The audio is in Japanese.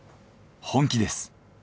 本気です。